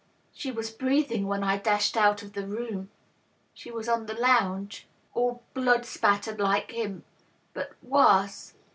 She was breathing when I dashed out of the room. She was on the lounge, all blood spattered like him, but worse.